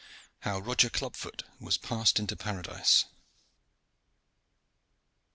HOW ROGER CLUB FOOT WAS PASSED INTO PARADISE.